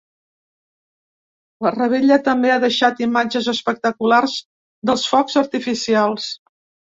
La revetlla també ha deixat imatges espectaculars dels focs artificials.